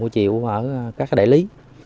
chỉ có một triệu ở các đại lý